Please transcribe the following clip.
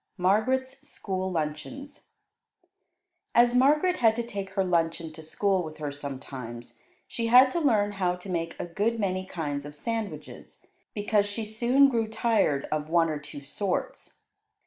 MARGARET'S SCHOOL LUNCHEONS As Margaret had to take her luncheon to school with her sometimes, she had to learn how to make a good many kinds of sandwiches, because she soon grew tired of one or two sorts.